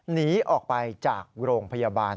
หนีออกไปจากโรงพยาบาล